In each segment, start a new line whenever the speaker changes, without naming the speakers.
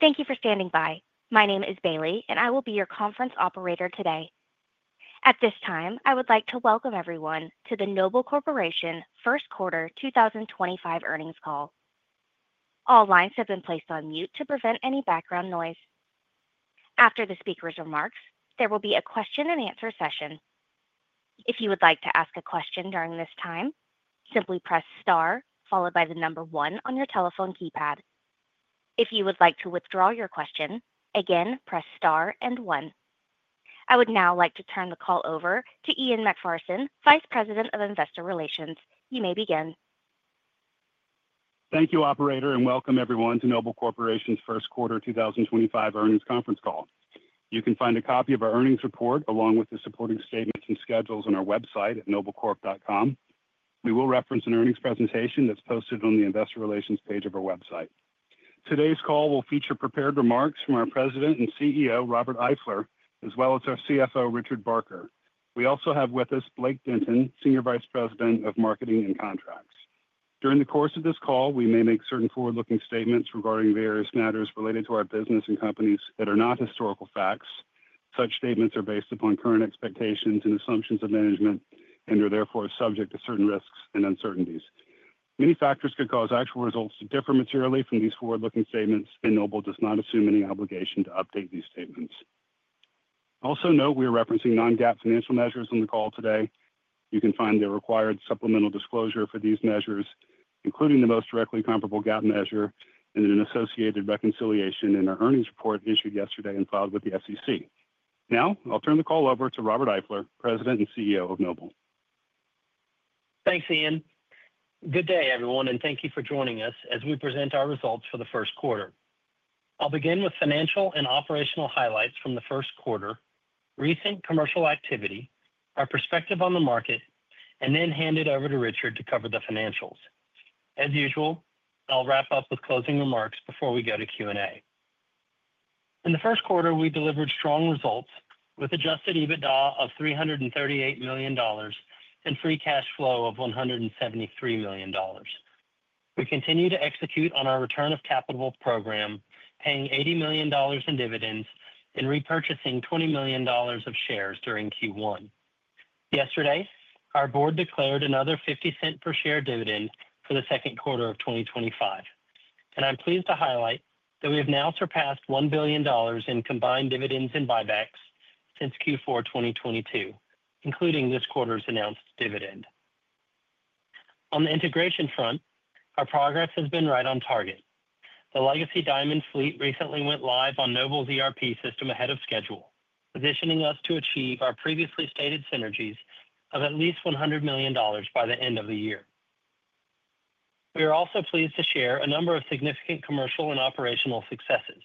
Thank you for standing by. My name is Bailey, and I will be your conference operator today. At this time, I would like to welcome everyone to the Noble Corporation First Quarter 2025 Earnings Call. All lines have been placed on mute to prevent any background noise. After the speakers' remarks, there will be a question-and-answer session. If you would like to ask a question during this time, simply press star followed by the number one on your telephone keypad. If you would like to withdraw your question, again, press star and one. I would now like to turn the call over to Ian Macpherson, Vice President of Investor Relations. You may begin.
Thank you, Operator, and welcome everyone to Noble Corporation's first quarter 2025 earnings conference call. You can find a copy of our earnings report along with the supporting statements and schedules on our website at noblecorp.com. We will reference an earnings presentation that's posted on the Investor Relations page of our website. Today's call will feature prepared remarks from our President and CEO, Robert Eifler, as well as our CFO, Richard Barker. We also have with us Blake Denton, Senior Vice President of Marketing and Contracts. During the course of this call, we may make certain forward-looking statements regarding various matters related to our business and companies that are not historical facts. Such statements are based upon current expectations and assumptions of management and are therefore subject to certain risks and uncertainties. Many factors could cause actual results to differ materially from these forward-looking statements, and Noble does not assume any obligation to update these statements. Also note, we are referencing non-GAAP financial measures in the call today. You can find the required supplemental disclosure for these measures, including the most directly comparable GAAP measure and an associated reconciliation in our earnings report issued yesterday and filed with the SEC. Now, I'll turn the call over to Robert Eifler, President and CEO of Noble.
Thanks, Ian. Good day, everyone, and thank you for joining us as we present our results for the first quarter. I'll begin with financial and operational highlights from the first quarter, recent commercial activity, our perspective on the market, and then hand it over to Richard to cover the financials. As usual, I'll wrap up with closing remarks before we go to Q&A. In the first quarter, we delivered strong results with adjusted EBITDA of $338 million and free cash flow of $173 million. We continue to execute on our return of capital program, paying $80 million in dividends and repurchasing $20 million of shares during Q1. Yesterday, our board declared another $0.50 per share dividend for the second quarter of 2025. I'm pleased to highlight that we have now surpassed $1 billion in combined dividends and buybacks since Q4 2022, including this quarter's announced dividend. On the integration front, our progress has been right on target. The legacy Diamond fleet recently went live on Noble's ERP system ahead of schedule, positioning us to achieve our previously stated synergies of at least $100 million by the end of the year. We are also pleased to share a number of significant commercial and operational successes.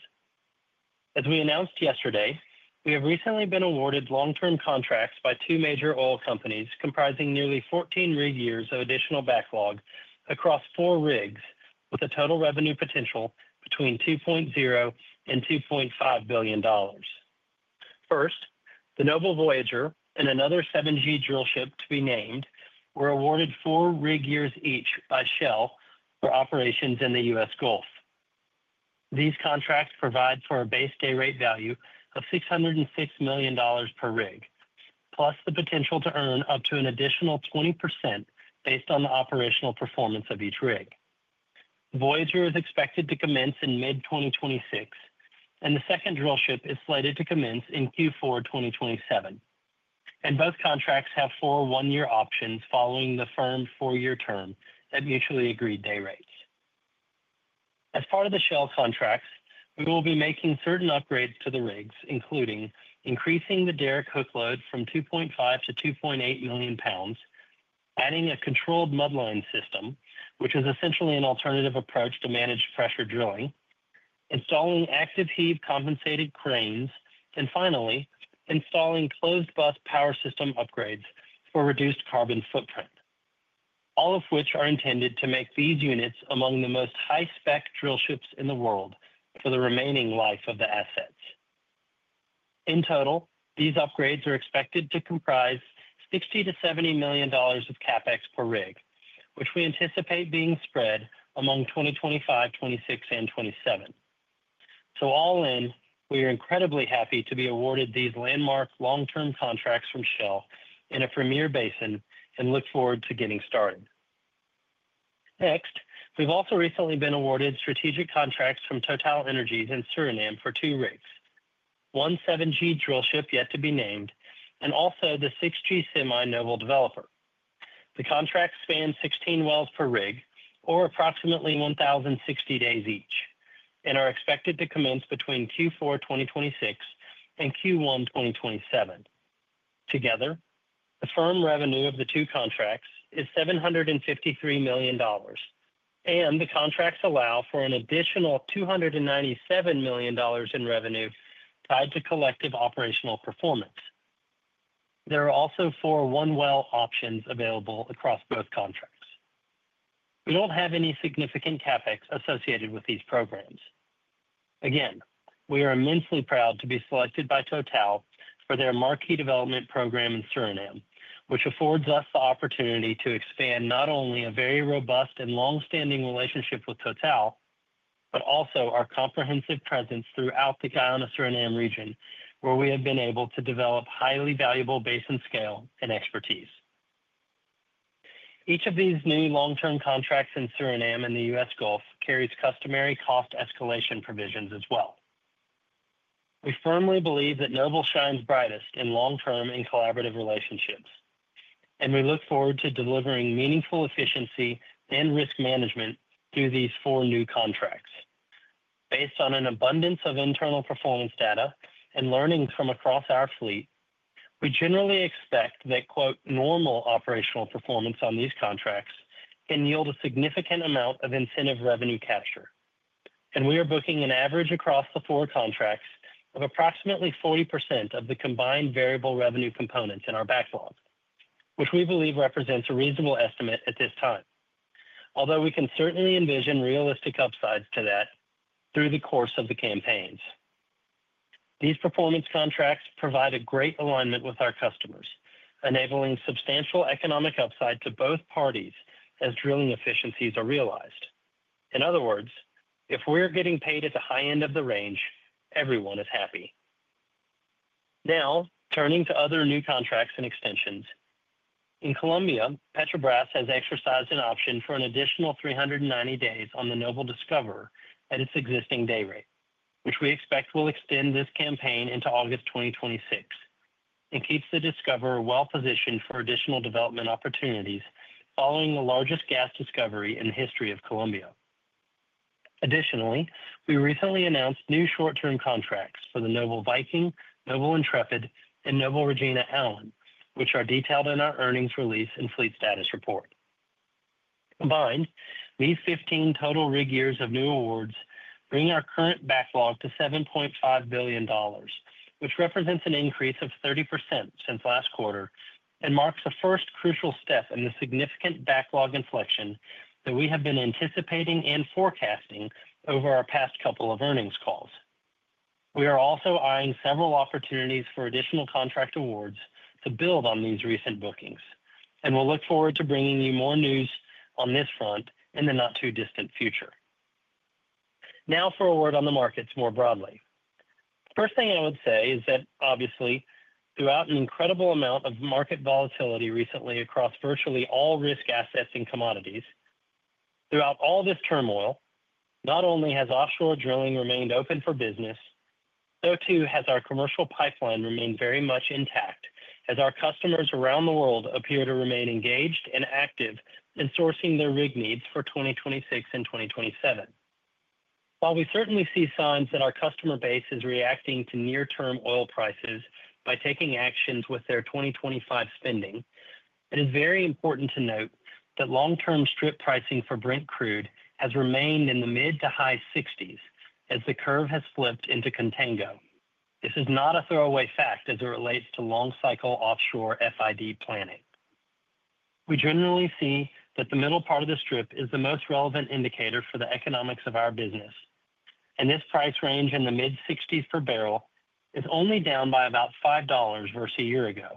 As we announced yesterday, we have recently been awarded long-term contracts by two major oil companies comprising nearly 14 rig years of additional backlog across four rigs with a total revenue potential between $2.0 billion and $2.5 billion. First, the Noble Voyager and another 7G drillship to be named were awarded four rig years each by Shell for operations in the U.S. Gulf. These contracts provide for a base day rate value of $606 million per rig, plus the potential to earn up to an additional 20% based on the operational performance of each rig. Voyager is expected to commence in mid-2026, and the second drillship is slated to commence in Q4 2027. Both contracts have four one-year options following the firm's four-year term at mutually agreed day rates. As part of the Shell contracts, we will be making certain upgrades to the rigs, including increasing the derrick hook load from 2.5 million to 2.8 million pounds, adding a controlled mudline system, which is essentially an alternative approach to managed pressure drilling, installing active heave compensated cranes, and finally, installing closed bus power system upgrades for reduced carbon footprint, all of which are intended to make these units among the most high-spec drillships in the world for the remaining life of the assets. In total, these upgrades are expected to comprise $60 million-$70 million of CapEx per rig, which we anticipate being spread among 2025, 2026, and 2027. All in, we are incredibly happy to be awarded these landmark long-term contracts from Shell in a premier basin and look forward to getting started. Next, we've also recently been awarded strategic contracts from TotalEnergies in Suriname for two rigs, one 7G drillship yet to be named, and also the 6G semi Noble Developer. The contracts span 16 wells per rig, or approximately 1,060 days each, and are expected to commence between Q4 2026 and Q1 2027. Together, the firm revenue of the two contracts is $753 million, and the contracts allow for an additional $297 million in revenue tied to collective operational performance. There are also four one-well options available across both contracts. We don't have any significant CapEx associated with these programs. Again, we are immensely proud to be selected by Total for their marquee development program in Suriname, which affords us the opportunity to expand not only a very robust and long-standing relationship with Total, but also our comprehensive presence throughout the Guyana-Suriname region, where we have been able to develop highly valuable base and scale and expertise. Each of these new long-term contracts in Suriname and the U.S. Gulf carries customary cost escalation provisions as well. We firmly believe that Noble shines brightest in long-term and collaborative relationships, and we look forward to delivering meaningful efficiency and risk management through these four new contracts. Based on an abundance of internal performance data and learnings from across our fleet, we generally expect that "normal" operational performance on these contracts can yield a significant amount of incentive revenue capture. We are booking an average across the four contracts of approximately 40% of the combined variable revenue components in our backlog, which we believe represents a reasonable estimate at this time, although we can certainly envision realistic upsides to that through the course of the campaigns. These performance contracts provide a great alignment with our customers, enabling substantial economic upside to both parties as drilling efficiencies are realized. In other words, if we're getting paid at the high end of the range, everyone is happy. Now, turning to other new contracts and extensions. In Colombia, Petrobras has exercised an option for an additional 390 days on the Noble Discoverer at its existing day rate, which we expect will extend this campaign into August 2026 and keeps the Discoverer well positioned for additional development opportunities following the largest gas discovery in the history of Colombia. Additionally, we recently announced new short-term contracts for the Noble Viking, Noble Intrepid, and Noble Regina Allen, which are detailed in our earnings release and fleet status report. Combined, these 15 total rig years of new awards bring our current backlog to $7.5 billion, which represents an increase of 30% since last quarter and marks the first crucial step in the significant backlog inflection that we have been anticipating and forecasting over our past couple of earnings calls. We are also eyeing several opportunities for additional contract awards to build on these recent bookings, and we will look forward to bringing you more news on this front in the not too distant future. Now for a word on the markets more broadly. The first thing I would say is that, obviously, throughout an incredible amount of market volatility recently across virtually all risk assets and commodities, throughout all this turmoil, not only has offshore drilling remained open for business, so too has our commercial pipeline remained very much intact as our customers around the world appear to remain engaged and active in sourcing their rig needs for 2026 and 2027. While we certainly see signs that our customer base is reacting to near-term oil prices by taking actions with their 2025 spending, it is very important to note that long-term strip pricing for Brent crude has remained in the mid-to-high 60s as the curve has flipped into Contango. This is not a throwaway fact as it relates to long-cycle offshore FID planning. We generally see that the middle part of the strip is the most relevant indicator for the economics of our business, and this price range in the mid-60s per barrel is only down by about $5 versus a year ago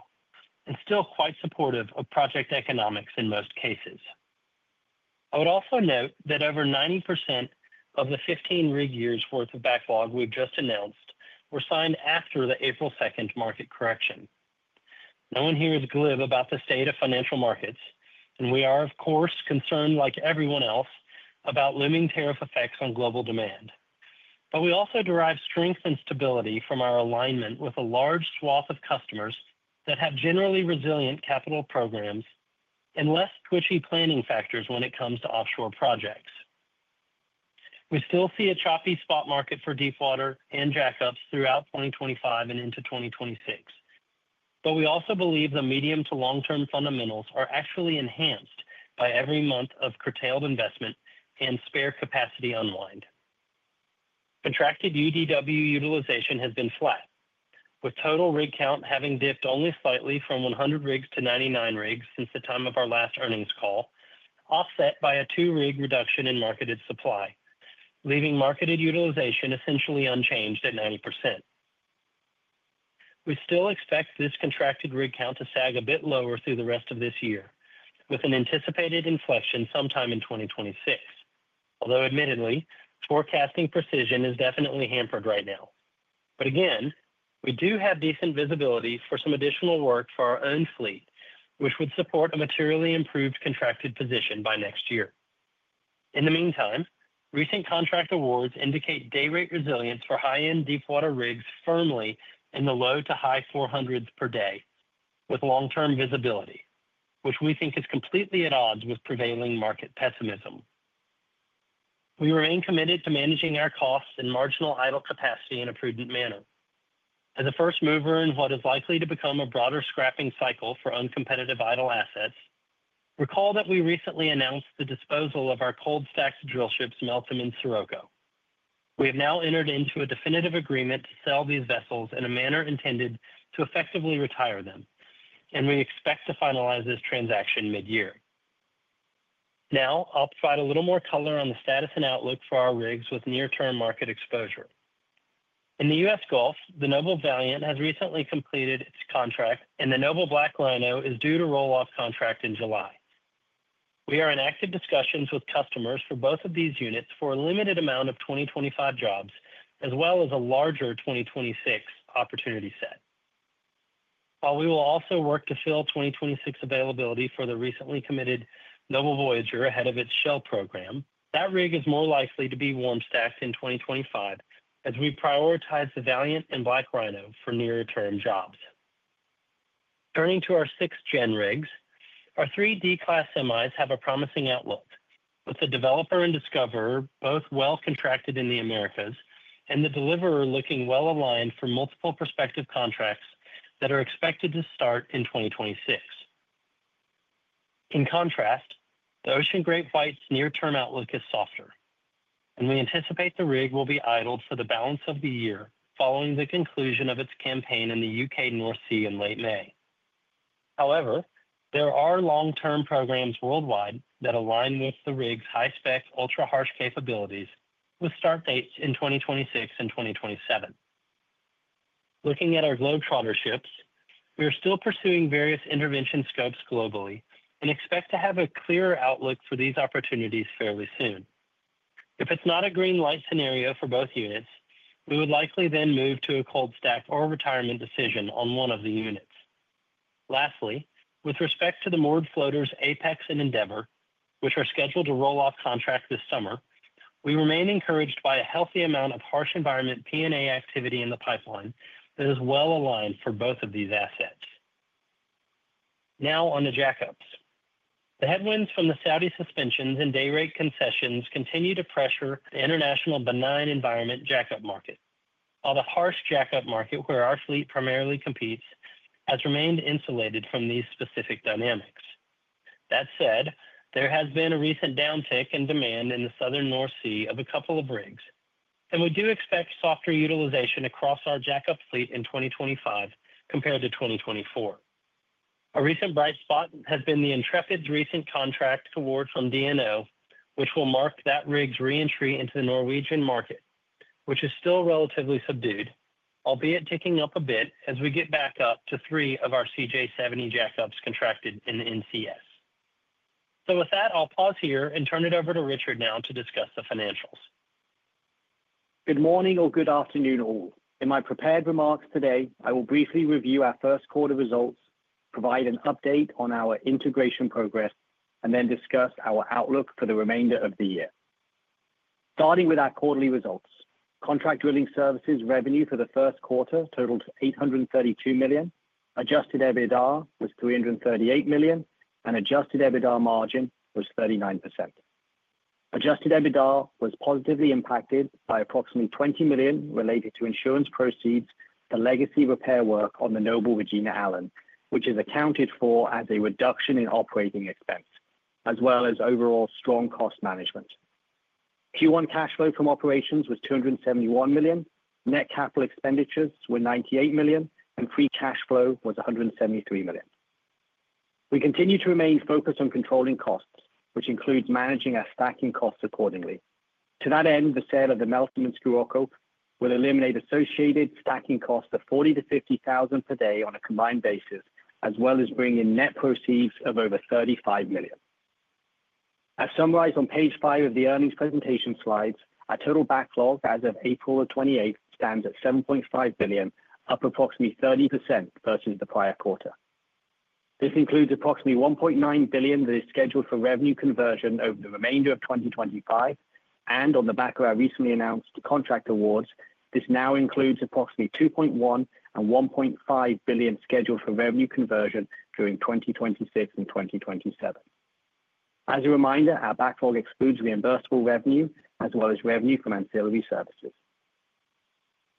and still quite supportive of project economics in most cases. I would also note that over 90% of the 15 rig years' worth of backlog we've just announced were signed after the April 2nd market correction. No one here is glib about the state of financial markets, and we are, of course, concerned like everyone else about looming tariff effects on global demand. We also derive strength and stability from our alignment with a large swath of customers that have generally resilient capital programs and less squishy planning factors when it comes to offshore projects. We still see a choppy spot market for deepwater and jackups throughout 2025 and into 2026, but we also believe the medium to long-term fundamentals are actually enhanced by every month of curtailed investment and spare capacity unwind. contracted UDW utilization has been flat, with total rig count having dipped only slightly from 100 rigs to 99 rigs since the time of our last earnings call, offset by a two-rig reduction in marketed supply, leaving marketed utilization essentially unchanged at 90%. We still expect this contracted rig count to sag a bit lower through the rest of this year, with an anticipated inflection sometime in 2026, although admittedly, forecasting precision is definitely hampered right now. Again, we do have decent visibility for some additional work for our own fleet, which would support a materially improved contracted position by next year. In the meantime, recent contract awards indicate day rate resilience for high-end deepwater rigs firmly in the low to high 400s per day with long-term visibility, which we think is completely at odds with prevailing market pessimism. We remain committed to managing our costs and marginal idle capacity in a prudent manner. As a first mover in what is likely to become a broader scrapping cycle for uncompetitive idle assets, recall that we recently announced the disposal of our cold-stacked drillships Meltem and Scirocco. We have now entered into a definitive agreement to sell these vessels in a manner intended to effectively retire them, and we expect to finalize this transaction mid-year. Now, I'll provide a little more color on the status and outlook for our rigs with near-term market exposure. In the U.S. Gulf, the Noble Valiant has recently completed its contract, and the Noble Black Rhino is due to roll off contract in July. We are in active discussions with customers for both of these units for a limited amount of 2025 jobs, as well as a larger 2026 opportunity set. While we will also work to fill 2026 availability for the recently committed Noble Voyager ahead of its Shell program, that rig is more likely to be warm-stacked in 2025 as we prioritize the Valiant and Black Rhino for near-term jobs. Turning to our 6th-gen rigs, our 3D class semis have a promising outlook, with the Developer and Discoverer both well contracted in the Americas and the Deliverer looking well aligned for multiple prospective contracts that are expected to start in 2026. In contrast, the Ocean GreatWhite's near-term outlook is softer, and we anticipate the rig will be idled for the balance of the year following the conclusion of its campaign in the U.K. North Sea in late May. However, there are long-term programs worldwide that align with the rig's high-spec ultra-harsh capabilities with start dates in 2026 and 2027. Looking at our Globetrotter ships, we are still pursuing various intervention scopes globally and expect to have a clearer outlook for these opportunities fairly soon. If it's not a green light scenario for both units, we would likely then move to a cold-stack or retirement decision on one of the units. Lastly, with respect to the moored floaters Apex and Endeavor, which are scheduled to roll off contract this summer, we remain encouraged by a healthy amount of harsh environment P&A activity in the pipeline that is well aligned for both of these assets. Now on the jackups. The headwinds from the Saudi suspensions and day rate concessions continue to pressure the international benign environment jackup market, while the harsh jackup market where our fleet primarily competes has remained insulated from these specific dynamics. That said, there has been a recent downtick in demand in the Southern North Sea of a couple of rigs, and we do expect softer utilization across our jackup fleet in 2025 compared to 2024. A recent bright spot has been the Intrepid's recent contract award from DNO, which will mark that rig's re-entry into the Norwegian market, which is still relatively subdued, albeit ticking up a bit as we get back up to three of our CJ70 jackups contracted in NCS. With that, I'll pause here and turn it over to Richard now to discuss the financials.
Good morning or good afternoon all. In my prepared remarks today, I will briefly review our first quarter results, provide an update on our integration progress, and then discuss our outlook for the remainder of the year. Starting with our quarterly results, contract drilling services revenue for the first quarter totaled $832 million. Adjusted EBITDA was $338 million, and adjusted EBITDA margin was 39%. Adjusted EBITDA was positively impacted by approximately $20 million related to insurance proceeds for legacy repair work on the Noble Regina Allen, which is accounted for as a reduction in operating expense, as well as overall strong cost management. Q1 cash flow from operations was $271 million, net capital expenditures were $98 million, and free cash flow was $173 million. We continue to remain focused on controlling costs, which includes managing our stacking costs accordingly. To that end, the sale of the Meltem and Scirocco will eliminate associated stacking costs of $40,000-$50,000 per day on a combined basis, as well as bring in net proceeds of over $35 million. As summarized on page five of the earnings presentation slides, our total backlog as of April 28 stands at $7.5 billion, up approximately 30% versus the prior quarter. This includes approximately $1.9 billion that is scheduled for revenue conversion over the remainder of 2025, and on the back of our recently announced contract awards, this now includes approximately $2.1 billion and $1.5 billion scheduled for revenue conversion during 2026 and 2027. As a reminder, our backlog excludes reimbursable revenue as well as revenue from ancillary services.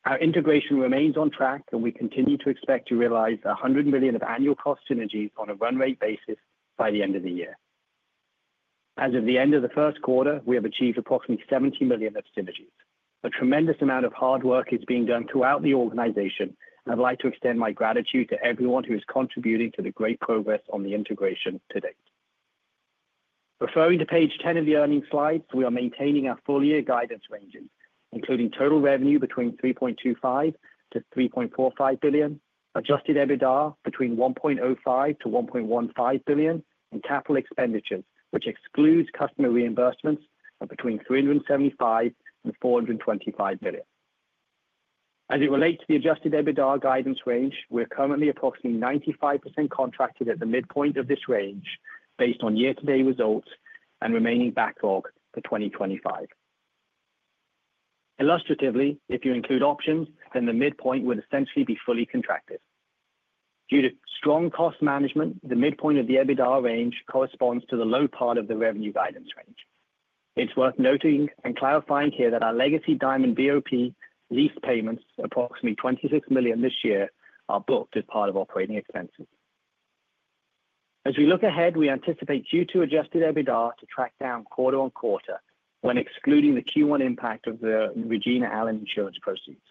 Our integration remains on track, and we continue to expect to realize $100 million of annual cost synergies on a run rate basis by the end of the year. As of the end of the first quarter, we have achieved approximately $70 million of synergies. A tremendous amount of hard work is being done throughout the organization, and I'd like to extend my gratitude to everyone who is contributing to the great progress on the integration to date. Referring to page 10 of the earnings slides, we are maintaining our full year guidance ranges, including total revenue between $3.25 billion-$3.45 billion, adjusted EBITDA between $1.05 billion-$1.15 billion, and capital expenditures, which excludes customer reimbursements, are between $375 million-$425 million. As it relates to the adjusted EBITDA guidance range, we're currently approximately 95% contracted at the midpoint of this range based on year-to-date results and remaining backlog for 2025. Illustratively, if you include options, then the midpoint would essentially be fully contracted. Due to strong cost management, the midpoint of the EBITDA range corresponds to the low part of the revenue guidance range. It's worth noting and clarifying here that our legacy Diamond BOP lease payments, approximately $26 million this year, are booked as part of operating expenses. As we look ahead, we anticipate Q2 adjusted EBITDA to track down quarter-on-quarter when excluding the Q1 impact of the Regina Allen insurance proceeds.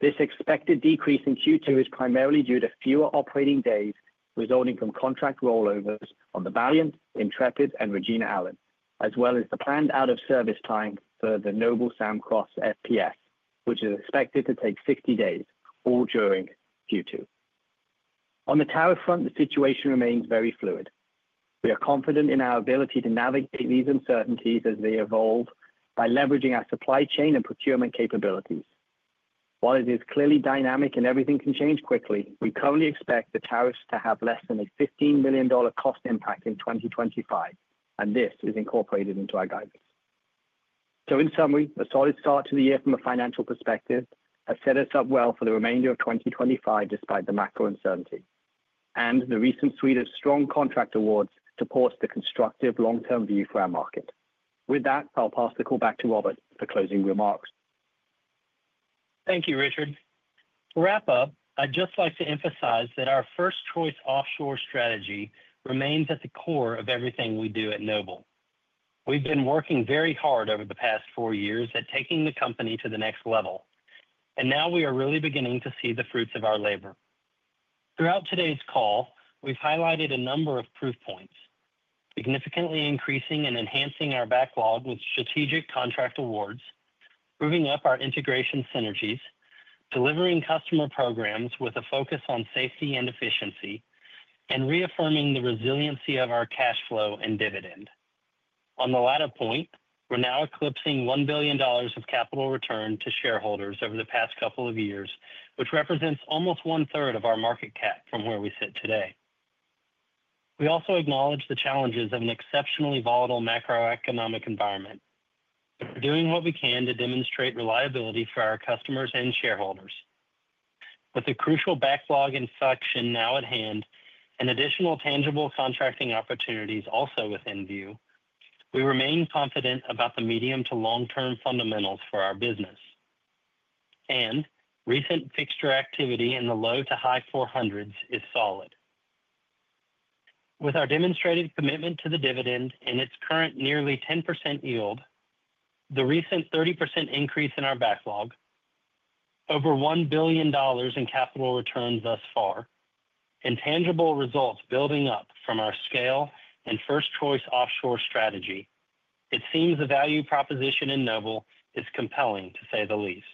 This expected decrease in Q2 is primarily due to fewer operating days resulting from contract rollovers on the Valiant, Intrepid, and Regina Allen, as well as the planned out-of-service time for the Noble Sam Croft SPS, which is expected to take 60 days all during Q2. On the tariff front, the situation remains very fluid. We are confident in our ability to navigate these uncertainties as they evolve by leveraging our supply chain and procurement capabilities. While it is clearly dynamic and everything can change quickly, we currently expect the tariffs to have less than a $15 million cost impact in 2025, and this is incorporated into our guidance. In summary, a solid start to the year from a financial perspective has set us up well for the remainder of 2025 despite the macro uncertainty, and the recent suite of strong contract awards supports the constructive long-term view for our market. With that, I'll pass the call back to Robert for closing remarks.
Thank you, Richard. To wrap up, I'd just like to emphasize that our first choice offshore strategy remains at the core of everything we do at Noble. We've been working very hard over the past four years at taking the company to the next level, and now we are really beginning to see the fruits of our labor. Throughout today's call, we've highlighted a number of proof points, significantly increasing and enhancing our backlog with strategic contract awards, proving up our integration synergies, delivering customer programs with a focus on safety and efficiency, and reaffirming the resiliency of our cash flow and dividend. On the latter point, we're now eclipsing $1 billion of capital return to shareholders over the past couple of years, which represents almost one-third of our market cap from where we sit today. We also acknowledge the challenges of an exceptionally volatile macroeconomic environment, but we're doing what we can to demonstrate reliability for our customers and shareholders. With the crucial backlog inflection now at hand and additional tangible contracting opportunities also within view, we remain confident about the medium to long-term fundamentals for our business, and recent fixture activity in the low to high 400s is solid. With our demonstrated commitment to the dividend and its current nearly 10% yield, the recent 30% increase in our backlog, over $1 billion in capital returns thus far, and tangible results building up from our scale and first choice offshore strategy, it seems the value proposition in Noble is compelling to say the least.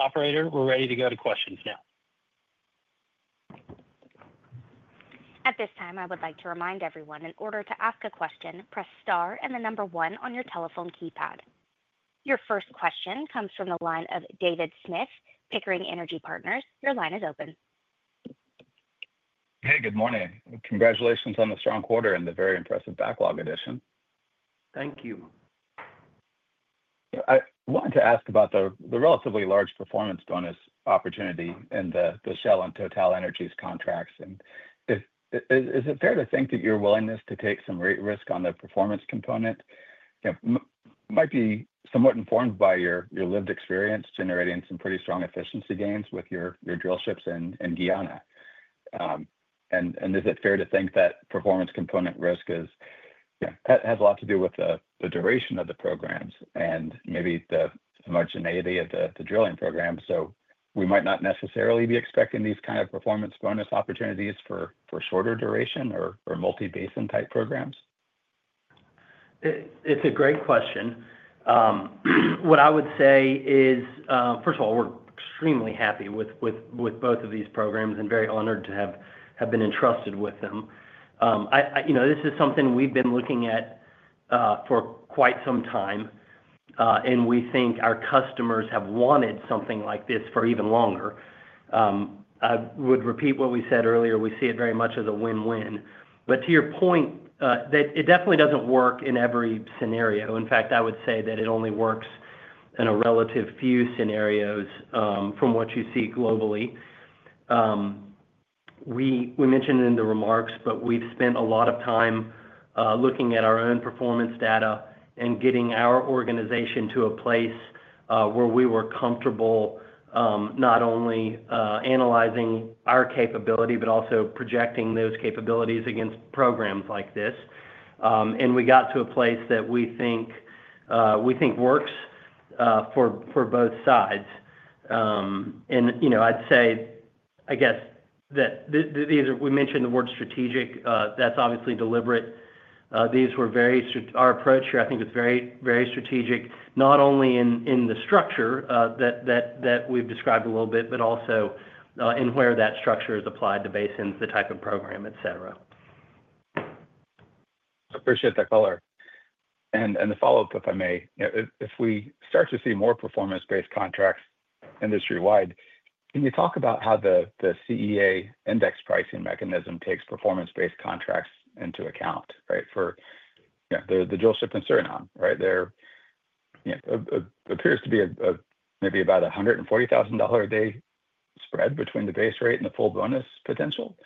Operator, we're ready to go to questions now.
At this time, I would like to remind everyone in order to ask a question, press star and the number one on your telephone keypad. Your first question comes from the line of David Smith, Pickering Energy Partners. Your line is open.
Hey, good morning. Congratulations on the strong quarter and the very impressive backlog addition.
Thank you.
I wanted to ask about the relatively large performance bonus opportunity in the Shell and TotalEnergies contracts. Is it fair to think that your willingness to take some rate risk on the performance component might be somewhat informed by your lived experience generating some pretty strong efficiency gains with your drill ships in Guyana? And is it fair to think that performance component risk has a lot to do with the duration of the programs and maybe the marginality of the drilling program? So we might not necessarily be expecting these kinds of performance bonus opportunities for shorter duration or multi-basin type programs?
It's a great question. What I would say is, first of all, we're extremely happy with both of these programs and very honored to have been entrusted with them. This is something we've been looking at for quite some time, and we think our customers have wanted something like this for even longer. I would repeat what we said earlier. We see it very much as a win-win. To your point, it definitely does not work in every scenario. In fact, I would say that it only works in a relative few scenarios from what you see globally. We mentioned in the remarks, but we have spent a lot of time looking at our own performance data and getting our organization to a place where we were comfortable not only analyzing our capability, but also projecting those capabilities against programs like this. We got to a place that we think works for both sides. I would say, I guess, that we mentioned the word strategic. That is obviously deliberate. Our approach here, I think, was very strategic, not only in the structure that we have described a little bit, but also in where that structure is applied to basins, the type of program, etc.
I appreciate that color. The follow-up, if I may, if we start to see more performance-based contracts industry-wide, can you talk about how the CEA index pricing mechanism takes performance-based contracts into account for the drill ship and Suriname? There appears to be maybe about a $140,000 a day spread between the base rate and the full bonus potential.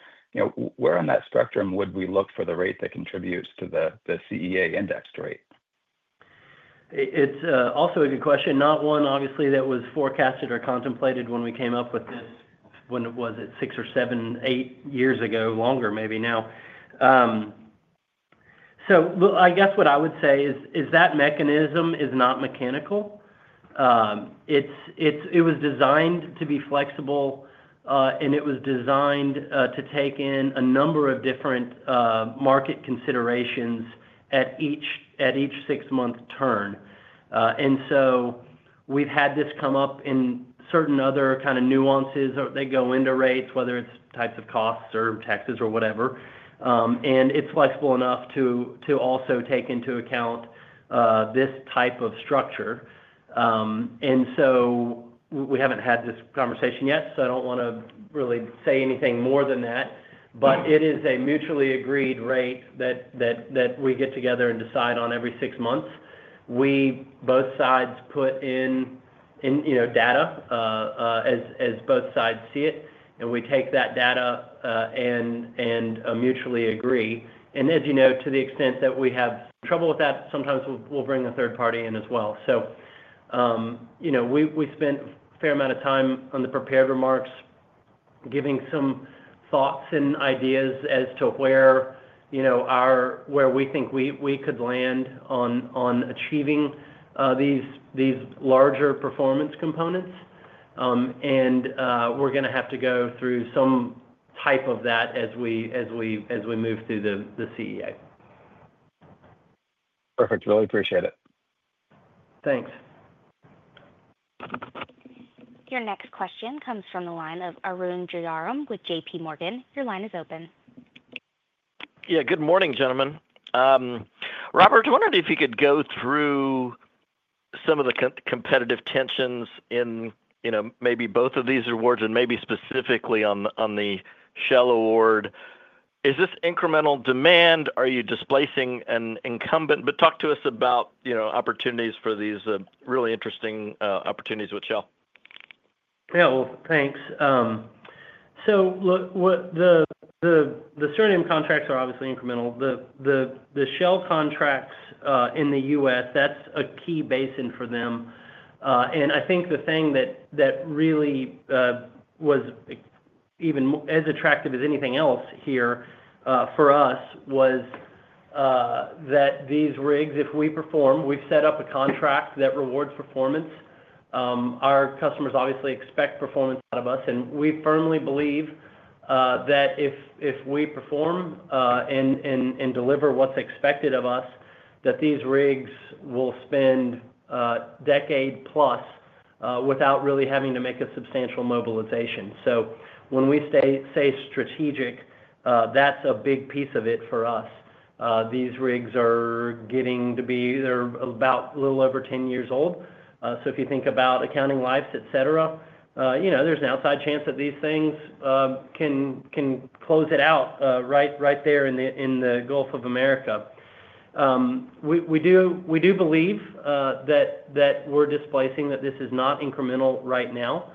Where on that spectrum would we look for the rate that contributes to the CEA indexed rate?
It's also a good question. Not one, obviously, that was forecasted or contemplated when we came up with this. When was it? Six or seven, eight years ago, longer maybe now. I guess what I would say is that mechanism is not mechanical. It was designed to be flexible, and it was designed to take in a number of different market considerations at each six-month turn. We have had this come up in certain other kinds of nuances that go into rates, whether it's types of costs or taxes or whatever. It is flexible enough to also take into account this type of structure. We have not had this conversation yet, so I do not want to really say anything more than that. It is a mutually agreed rate that we get together and decide on every six months. Both sides put in data as both sides see it, and we take that data and mutually agree. As you know, to the extent that we have trouble with that, sometimes we will bring a third party in as well. We spent a fair amount of time on the prepared remarks giving some thoughts and ideas as to where we think we could land on achieving these larger performance components. We're going to have to go through some type of that as we move through the CEA.
Perfect. Really appreciate it.
Thanks.
Your next question comes from the line of Arun Jayaram with JPMorgan. Your line is open.
Yeah. Good morning, gentlemen. Robert, I wondered if you could go through some of the competitive tensions in maybe both of these awards and maybe specifically on the Shell award. Is this incremental demand? Are you displacing an incumbent? Talk to us about opportunities for these really interesting opportunities with Shell.
Yeah. The Suriname contracts are obviously incremental. The Shell contracts in the U.S., that's a key basin for them. I think the thing that really was even as attractive as anything else here for us was that these rigs, if we perform, we've set up a contract that rewards performance. Our customers obviously expect performance out of us, and we firmly believe that if we perform and deliver what's expected of us, that these rigs will spend decade-plus without really having to make a substantial mobilization. When we say strategic, that's a big piece of it for us. These rigs are getting to be about a little over 10 years old. If you think about accounting lives, etc., there's an outside chance that these things can close it out right there in the Gulf of America. We do believe that we're displacing, that this is not incremental right now.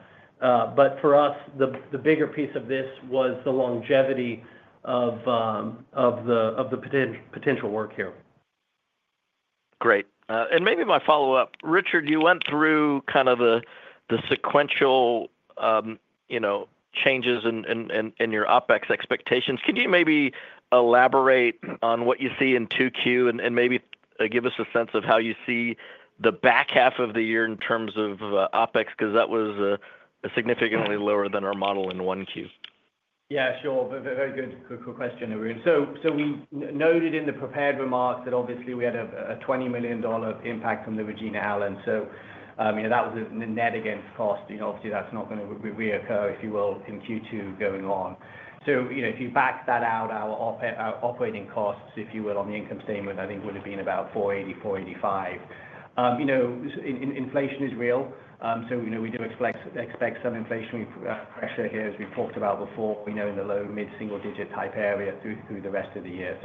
For us, the bigger piece of this was the longevity of the potential work here.
Great. Maybe my follow-up. Richard, you went through kind of the sequential changes in your OpEx expectations. Can you maybe elaborate on what you see in 2Q and maybe give us a sense of how you see the back half of the year in terms of OpEx? Because that was significantly lower than our model in 1Q.
Yeah. Sure. Very good. Quick question, Arun. We noted in the prepared remarks that obviously we had a $20 million impact from the Regina Allen. That was a net against cost. Obviously, that's not going to reoccur, if you will, in Q2 going on. If you back that out, our operating costs, if you will, on the income statement, I think would have been about $480 million, $485 million. Inflation is real. We do expect some inflationary pressure here, as we've talked about before, in the low, mid-single-digit type area through the rest of the year.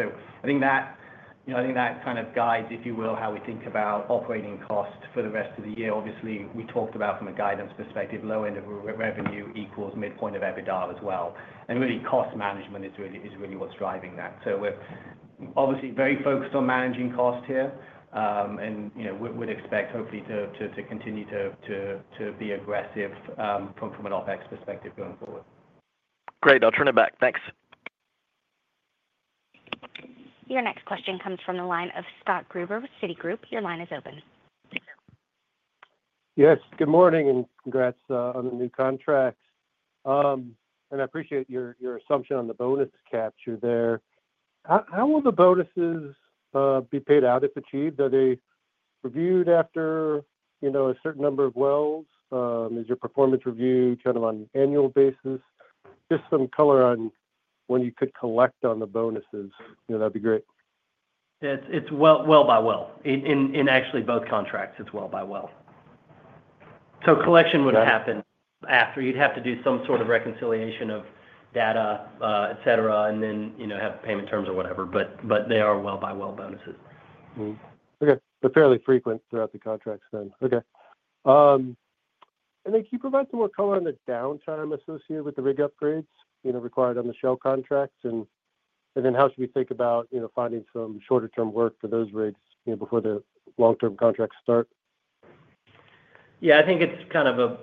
I think that kind of guides, if you will, how we think about operating costs for the rest of the year. Obviously, we talked about from a guidance perspective, low end of revenue equals midpoint of EBITDA as well. Really, cost management is really what's driving that. We're obviously very focused on managing costs here and would expect, hopefully, to continue to be aggressive from an OpEx perspective going forward.
Great. I'll turn it back. Thanks.
Your next question comes from the line of Scott Gruber with Citigroup. Your line is open.
Yes. Good morning and congrats on the new contracts. I appreciate your assumption on the bonus capture there. How will the bonuses be paid out if achieved? Are they reviewed after a certain number of wells? Is your performance review kind of on an annual basis? Just some color on when you could collect on the bonuses. That'd be great.
It's well by well. In actually both contracts, it's well by well. So collection would have happened after. You'd have to do some sort of reconciliation of data, etc., and then have payment terms or whatever. But they are well by well bonuses.
Okay. They're fairly frequent throughout the contracts then. Okay. Can you provide some more color on the downtime associated with the rig upgrades required on the Shell contracts? How should we think about finding some shorter-term work for those rigs before the long-term contracts start?
Yeah. I think it's kind of a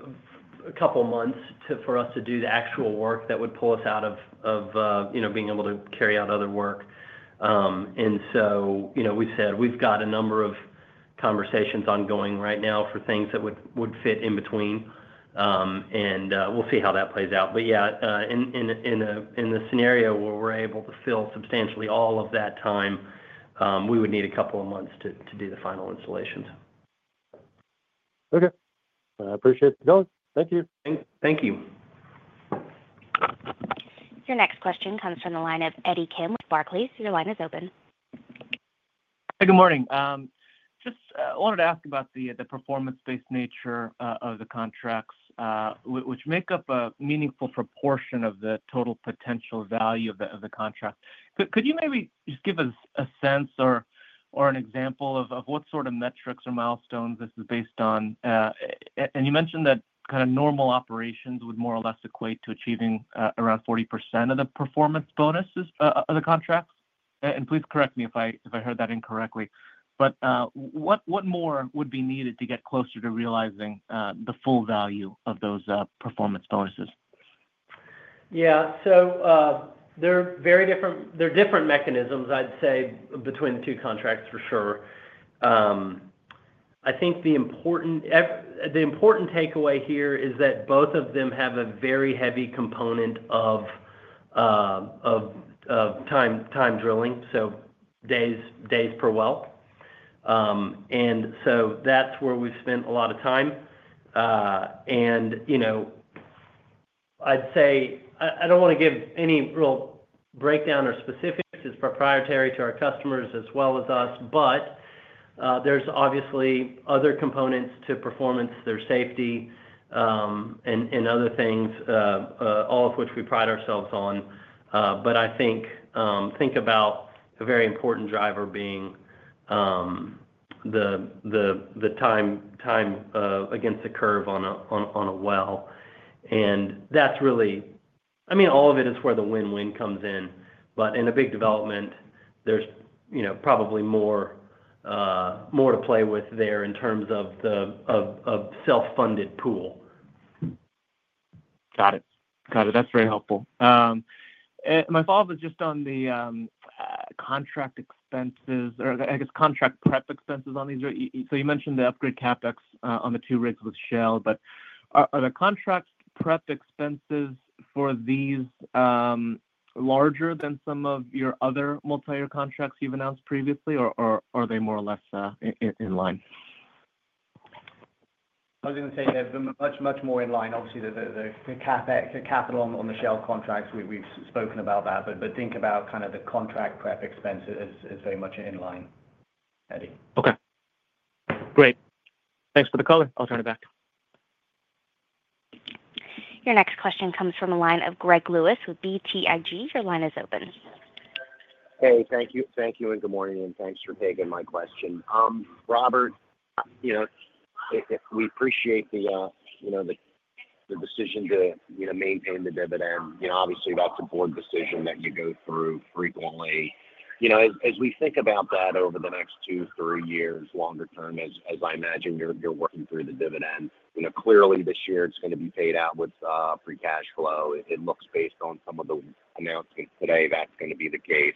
couple of months for us to do the actual work that would pull us out of being able to carry out other work. We said we've got a number of conversations ongoing right now for things that would fit in between. We'll see how that plays out. Yeah, in the scenario where we're able to fill substantially all of that time, we would need a couple of months to do the final installations.
I appreciate the call. Thank you.
Thank you.
Your next question comes from the line of Eddie Kim with Barclays. Your line is open.
Hey, good morning. Just wanted to ask about the performance-based nature of the contracts, which make up a meaningful proportion of the total potential value of the contract. Could you maybe just give us a sense or an example of what sort of metrics or milestones this is based on? You mentioned that kind of normal operations would more or less equate to achieving around 40% of the performance bonuses of the contracts. Please correct me if I heard that incorrectly. What more would be needed to get closer to realizing the full value of those performance bonuses?
Yeah. There are different mechanisms, I'd say, between the two contracts for sure. I think the important takeaway here is that both of them have a very heavy component of time drilling, so days per well. That's where we've spent a lot of time. I'd say I don't want to give any real breakdown or specifics. It's proprietary to our customers as well as us. There's obviously other components to performance, their safety, and other things, all of which we pride ourselves on. I think about a very important driver being the time against the curve on a well. I mean, all of it is where the win-win comes in. In a big development, there is probably more to play with there in terms of the self-funded pool.
Got it. That is very helpful. My follow-up was just on the contract expenses or, I guess, contract prep expenses on these. You mentioned the upgrade CapEx on the two rigs with Shell. Are the contract prep expenses for these larger than some of your other multi-year contracts you have announced previously, or are they more or less in line?
I was going to say they are much, much more in line. Obviously, the CapEx and capital on the Shell contracts, we have spoken about that. Think about the contract prep expenses as very much in line, Eddie.
Okay. Great. Thanks for the caller. I'll turn it back.
Your next question comes from the line of Greg Lewis with BTIG. Your line is open.
Hey, thank you. Thank you. And good morning. Thanks for taking my question. Robert, we appreciate the decision to maintain the dividend. Obviously, that's a board decision that you go through frequently. As we think about that over the next two, three years, longer term, as I imagine you're working through the dividend, clearly this year it's going to be paid out with free cash flow. It looks based on some of the announcements today that's going to be the case.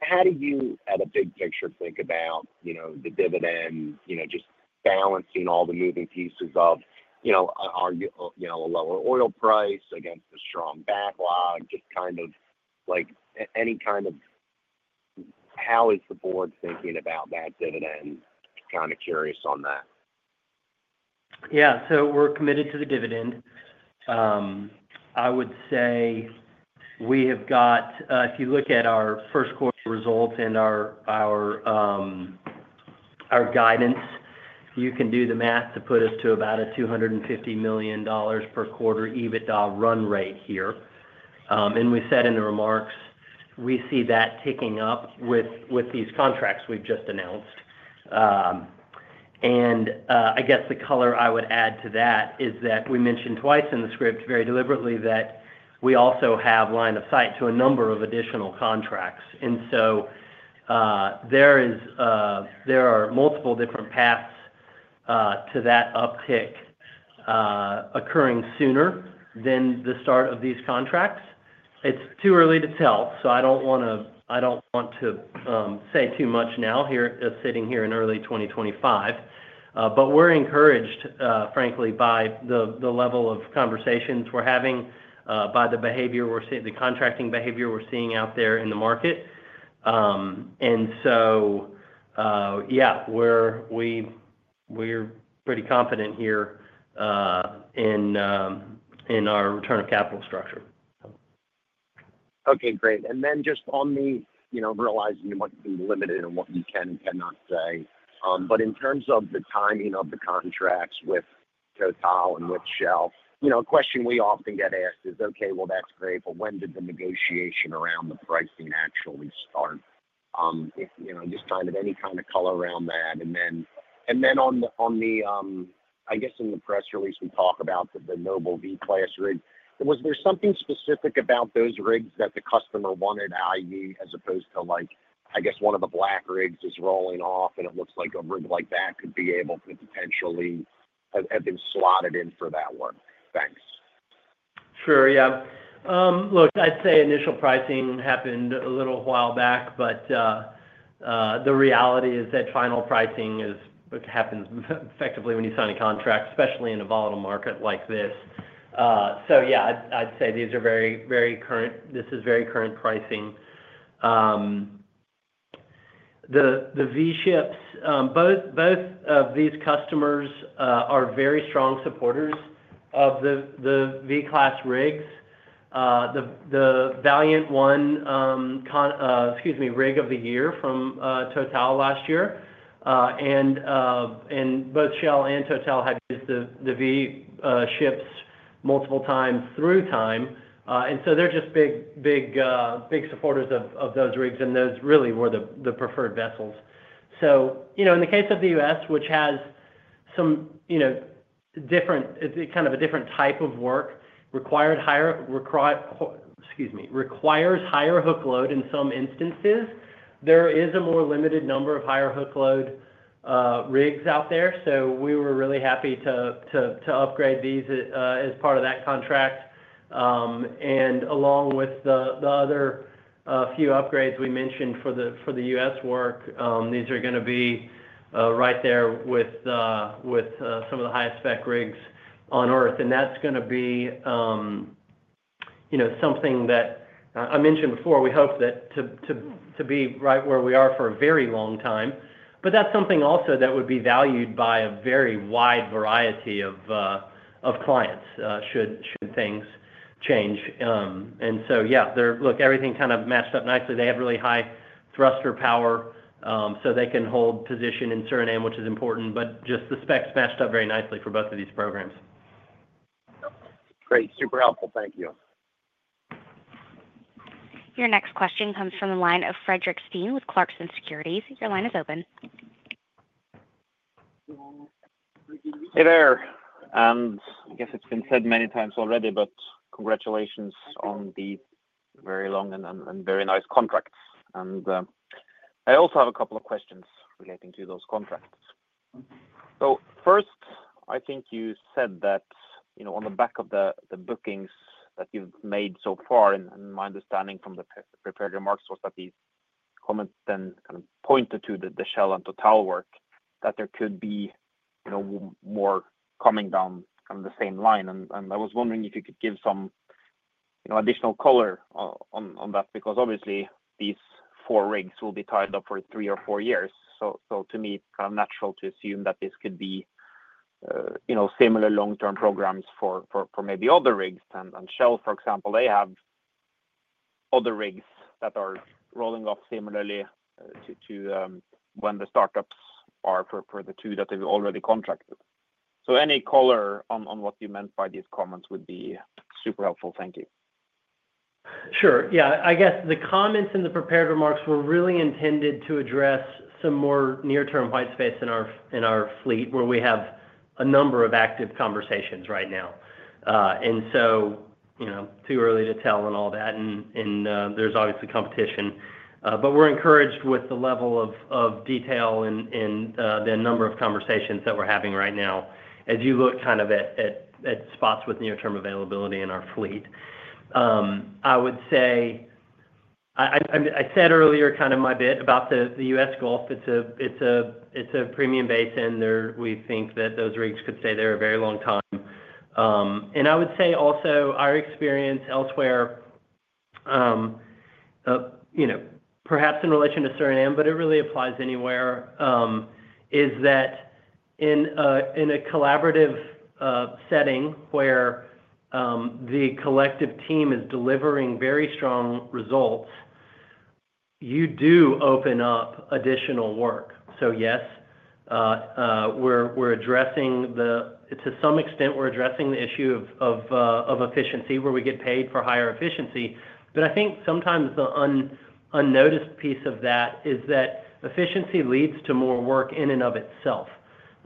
How do you, at a big picture, think about the dividend, just balancing all the moving pieces of a lower oil price against a strong backlog? Just kind of any kind of how is the board thinking about that dividend? Kind of curious on that.
Yeah. We are committed to the dividend. I would say we have got, if you look at our first quarter results and our guidance, you can do the math to put us to about a $250 million per quarter EBITDA run rate here. We said in the remarks, we see that ticking up with these contracts we have just announced. I guess the color I would add to that is that we mentioned twice in the script very deliberately that we also have line of sight to a number of additional contracts. There are multiple different paths to that uptick occurring sooner than the start of these contracts. It is too early to tell. I do not want to say too much now, sitting here in early 2025. We're encouraged, frankly, by the level of conversations we're having, by the behavior we're seeing, the contracting behavior we're seeing out there in the market. Yeah, we're pretty confident here in our return of capital structure.
Okay. Great. Just on the realizing what's being limited and what we can and cannot say. In terms of the timing of the contracts with Total and with Shell, a question we often get asked is, "Okay, well, that's great. But when did the negotiation around the pricing actually start?" Just kind of any kind of color around that. In the press release, we talk about the Noble V-class rig. Was there something specific about those rigs that the customer wanted, i.e., as opposed to, I guess, one of the black rigs is rolling off and it looks like a rig like that could be able to potentially have been slotted in for that work? Thanks.
Sure. Yeah. Look, I'd say initial pricing happened a little while back. The reality is that final pricing happens effectively when you sign a contract, especially in a volatile market like this. Yeah, I'd say these are very current. This is very current pricing. The V-ships, both of these customers are very strong supporters of the V-class rigs. The Valiant won, -- excuse me, rig of the year from Total last year. Both Shell and Total have used the V-ships multiple times through time. They are just big supporters of those rigs. Those really were the preferred vessels. In the case of the U.S., which has a different type of work, requires higher hookload in some instances, there is a more limited number of higher hookload rigs out there. We were really happy to upgrade these as part of that contract. Along with the other few upgrades we mentioned for the U.S. work, these are going to be right there with some of the highest spec rigs on earth. That is going to be something that I mentioned before. We hope to be right where we are for a very long time. That is something also that would be valued by a very wide variety of clients should things change. Yeah, look, everything kind of matched up nicely. They have really high thruster power, so they can hold position in Suriname, which is important. Just the specs matched up very nicely for both of these programs.
Great. Super helpful. Thank you.
Your next question comes from the line of Fredrik Stene with Clarksons Securities. Your line is open.
Hey there. I guess it's been said many times already, but congratulations on the very long and very nice contracts. I also have a couple of questions relating to those contracts. First, I think you said that on the back of the bookings that you've made so far, and my understanding from the prepared remarks was that these comments then kind of pointed to the Shell and Total work, that there could be more coming down kind of the same line. I was wondering if you could give some additional color on that, because obviously these four rigs will be tied up for three or four years. To me, it's kind of natural to assume that this could be similar long-term programs for maybe other rigs. Shell, for example, they have other rigs that are rolling off similarly to when the startups are for the two that they've already contracted. Any color on what you meant by these comments would be super helpful. Thank you.
Sure. Yeah. I guess the comments in the prepared remarks were really intended to address some more near-term white space in our fleet where we have a number of active conversations right now. It's too early to tell and all that. There's obviously competition. We're encouraged with the level of detail and the number of conversations that we're having right now as you look at spots with near-term availability in our fleet. I would say I said earlier kind of my bit about the U.S. Gulf. It's a premium basin. We think that those rigs could stay there a very long time. I would say also our experience elsewhere, perhaps in relation to Suriname, but it really applies anywhere, is that in a collaborative setting where the collective team is delivering very strong results, you do open up additional work. Yes, we're addressing the, to some extent, we're addressing the issue of efficiency where we get paid for higher efficiency. I think sometimes the unnoticed piece of that is that efficiency leads to more work in and of itself.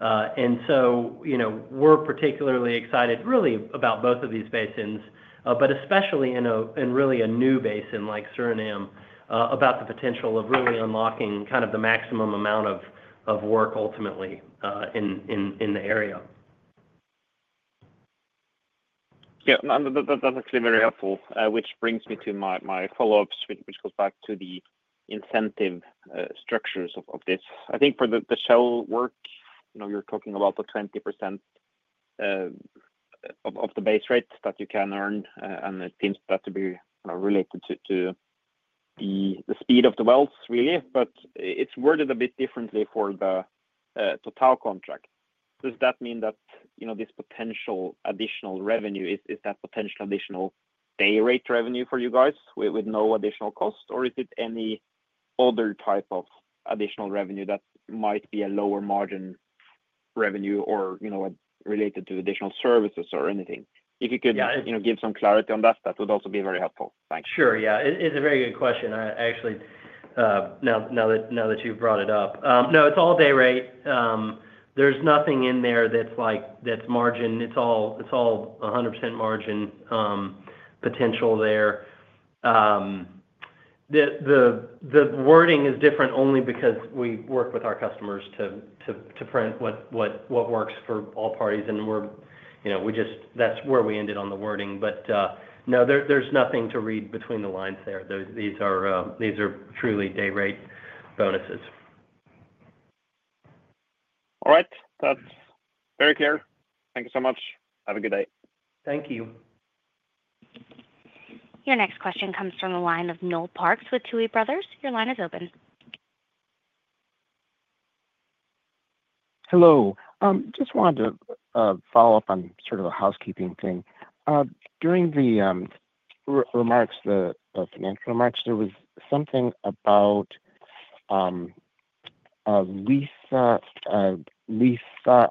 We are particularly excited really about both of these basins, but especially in really a new basin like Suriname, about the potential of really unlocking kind of the maximum amount of work ultimately in the area.
Yeah. That's actually very helpful, which brings me to my follow-ups, which goes back to the incentive structures of this. I think for the Shell work, you're talking about the 20% of the base rate that you can earn. And it seems that to be related to the speed of the wells, really. But it's worded a bit differently for the Total contract. Does that mean that this potential additional revenue is that potential additional day rate revenue for you guys with no additional cost? Or is it any other type of additional revenue that might be a lower margin revenue or related to additional services or anything? If you could give some clarity on that, that would also be very helpful. Thanks.
Sure. Yeah. It's a very good question, actually, now that you've brought it up. No, it's all day rate. There's nothing in there that's margin. It's all 100% margin potential there. The wording is different only because we work with our customers to print what works for all parties. That is where we ended on the wording. No, there is nothing to read between the lines there. These are truly day rate bonuses.
All right. That is very clear. Thank you so much. Have a good day.
Thank you.
Your next question comes from the line of Noel Parks with Tuohy Brothers. Your line is open.
Hello. Just wanted to follow up on sort of a housekeeping thing. During the financial remarks, there was something about lease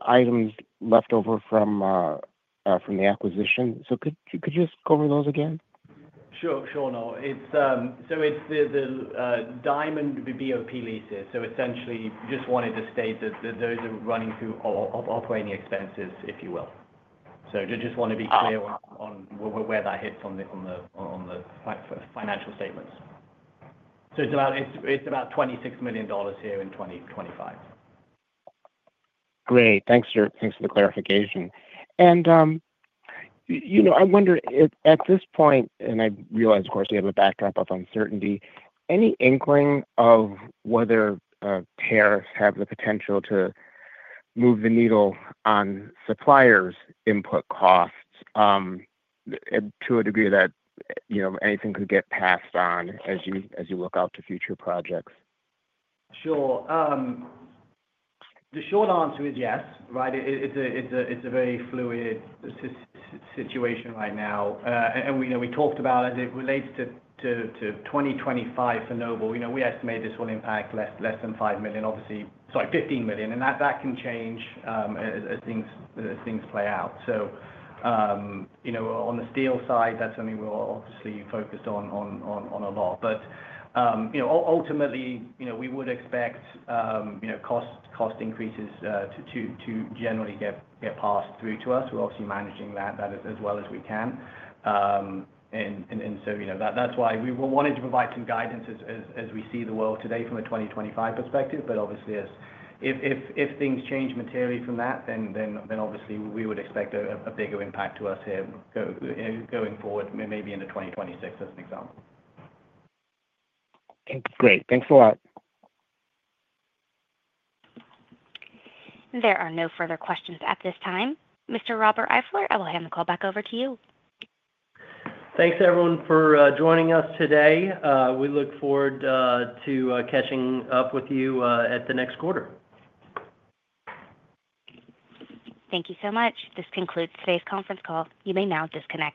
items left over from the acquisition. Could you just go over those again?
Sure. No. It is the Diamond BOP leases. Essentially, just wanted to state that those are running through operating expenses, if you will. Just want to be clear on where that hits on the financial statements. It's about $26 million here in 2025.
Great. Thanks for the clarification. I wonder at this point, and I realize, of course, we have a backdrop of uncertainty, any inkling of whether pairs have the potential to move the needle on suppliers' input costs to a degree that anything could get passed on as you look out to future projects?
Sure. The short answer is yes, right? It's a very fluid situation right now. We talked about as it relates to 2025 for Noble, we estimate this will impact less than $5 million, obviously sorry, $15 million. That can change as things play out. On the steel side, that's something we're obviously focused on a lot. Ultimately, we would expect cost increases to generally get passed through to us. We're obviously managing that as well as we can. That is why we wanted to provide some guidance as we see the world today from a 2025 perspective. Obviously, if things change materially from that, we would expect a bigger impact to us here going forward, maybe into 2026 as an example.
Okay. Great. Thanks a lot.
There are no further questions at this time. Mr. Robert Eifler, I will hand the call back over to you.
Thanks, everyone, for joining us today. We look forward to catching up with you at the next quarter.
Thank you so much. This concludes today's conference call. You may now disconnect.